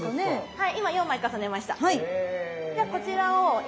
はい。